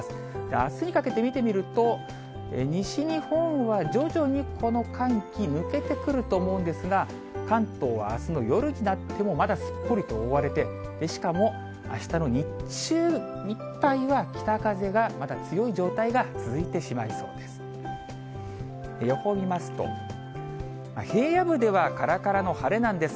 あすにかけて見てみると、西日本は徐々にこの寒気、抜けてくると思うんですが、関東はあすの夜になってもまだすっぽりと覆われて、しかもあしたの日中いっぱいは北風がまだ強い状態が続いてしまいそうです。